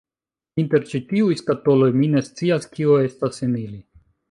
Inter ĉi tiuj skatoloj, mi ne scias kio estas en ili